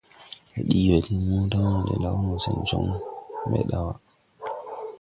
Ndo dii we din mota ma de law no, sen joŋ mbɛ dawa.